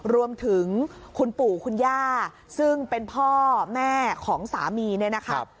รวมถึงคุณปู่คุณย่าซึ่งเป็นพ่อแม่ของสามีเนี่ยนะครับ